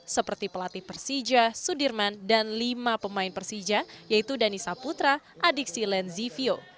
seperti pelatih persija sudirman dan lima pemain persija yaitu danisa putra adiksi lenzivio